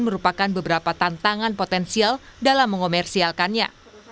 merupakan beberapa tantangan potensial dalam mengomersialkannya